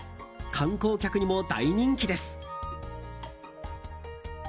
観光客にも大人気です。